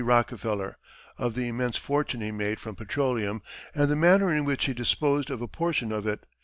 Rockefeller, of the immense fortune he made from petroleum and the manner in which he disposed of a portion of it.